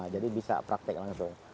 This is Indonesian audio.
jadi bisa praktik langsung